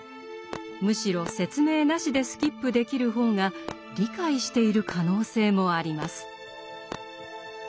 むしろ説明なしでスキップできる方が理解している可能性もあります。